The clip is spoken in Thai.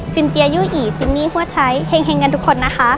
สินเจียยู่อีซินมี่ฮัวชัยเฮ็งกันทุกคนนะคะ